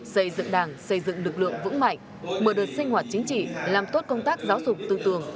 xây dựng đảng xây dựng lực lượng vững mạnh mở đợt sinh hoạt chính trị làm tốt công tác giáo dục tư tường